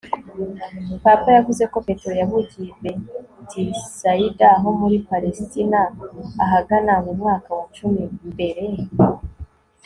papa. yavuze ko petero yavukiye i bethsaïda ho muri palestina ahagana mu mwaka wa cumi mbere